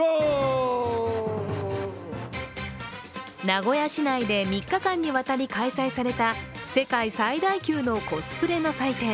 名古屋市内で３日間にわたり開催された世界最大級のコスプレの祭典